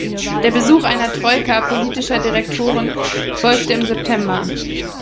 Der Besuch einer Troika Politischer Direktoren folgte im September.